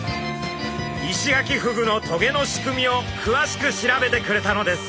イシガキフグの棘の仕組みをくわしく調べてくれたのです。